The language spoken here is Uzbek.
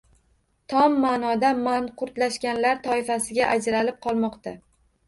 Tom maʼnoda, manqurtlashganlar toifasiga ajralib qolmoqda